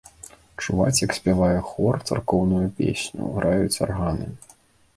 Чуваць, як спявае хор царкоўную песню, граюць арганы.